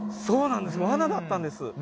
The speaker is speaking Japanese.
そうなんです罠だったんです